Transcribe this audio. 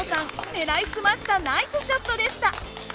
狙いすましたナイスショットでした。